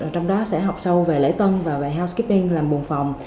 trong đó sẽ học sâu về lễ tân và về haukipink làm buồn phòng